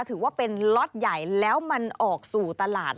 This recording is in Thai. ถือว่าเป็นล็อตใหญ่แล้วมันออกสู่ตลาด